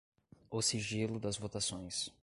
o sigilo das votações;